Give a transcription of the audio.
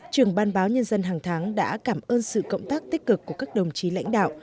trường ban báo nhân dân hàng tháng đã cảm ơn sự cộng tác tích cực của các đồng chí lãnh đạo